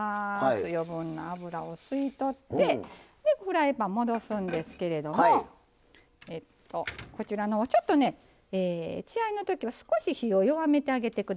余分な油を吸い取ってでフライパン戻すんですけれどもこちらのちょっとね血合いのときは少し火を弱めてあげてください。